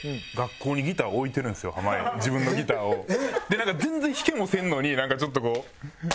でなんか全然弾けもせんのになんかちょっとこう。